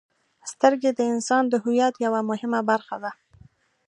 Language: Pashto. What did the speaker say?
• سترګې د انسان د هویت یوه مهمه برخه ده.